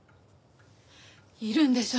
いるんでしょ？